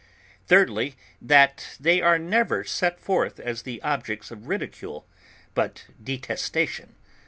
Thirdly, that they are never set forth as the objects of ridicule, but detestation.